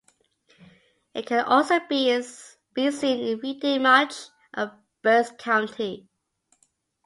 It can also be seen in Reading and much of Berks County.